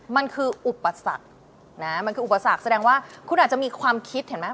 มันคืออุปสรรคแสดงว่าคุณอาจจะมีความคิดเห็นไหม